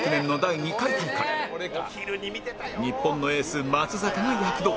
日本のエース松坂が躍動